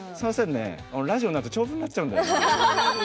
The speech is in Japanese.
ラジオになると長文になっちゃうんだよな。